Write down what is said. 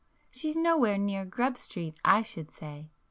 She's nowhere near Grub Street I should say.